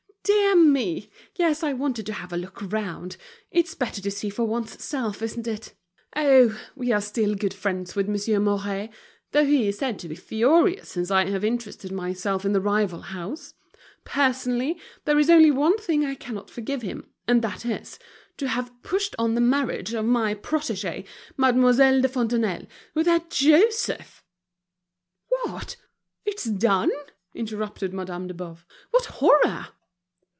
"Dear me! yes, I wanted to have a look round. It's better to see for one's self, isn't it? Oh! we are still good friends with Monsieur Mouret, though he is said to be furious since I have interested myself in that rival house. Personally, there is only one thing I cannot forgive him, and that is, to have pushed on the marriage of my protégé, Mademoiselle de Fontenailles, with that Joseph—" "What! it's done?" interrupted Madame de Boves. "What a horror!"